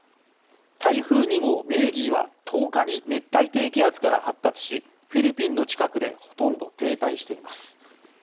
台風２号メーギーは１０日に熱帯低気圧から発達しフィリピンンの近くでほとんど停滞しています。